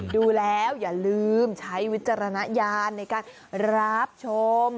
ดูแล้วอย่าลืมใช้วิจารณญาณในการรับชม